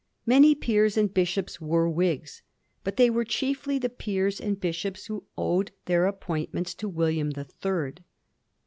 Many peers and bishops were Whigs, but they were chiefly the peers and bishops who owed their appoint ments to William the Third.